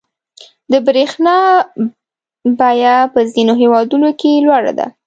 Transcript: • د برېښنا بیه په ځینو هېوادونو کې لوړه ده.